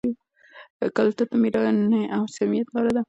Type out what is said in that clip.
کلتور د مېړانې او صمیمیت لاره ده.